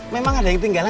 memang ada yang tinggalan